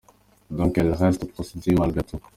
Donc elle reste prostituee malgre tout.